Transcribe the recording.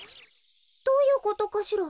どういうことかしら。